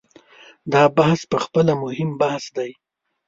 دا بحث په خپله مهم بحث دی.